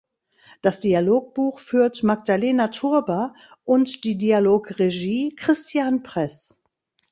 Das Dialogbuch führt Magdalena Turba und die Dialogregie Christian Press.